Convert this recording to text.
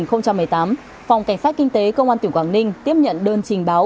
tháng sáu năm hai nghìn một mươi tám phòng cảnh sát kinh tế công an tiểu quảng ninh tiếp nhận đơn trình báo